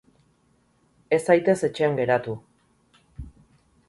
Ez zaitez etxean geratu.